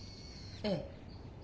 ええ。